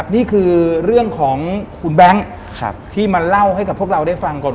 นี่คือเรื่องของคุณแบงค์ที่มาเล่าให้กับพวกเราได้ฟังก่อน